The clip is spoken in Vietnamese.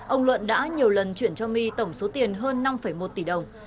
ông luận đã nhiều lần chuyển cho my tổng số tiền hơn năm một tỷ đồng